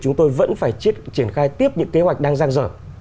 chúng tôi vẫn phải triển khai tiếp những kế hoạch đang giang dở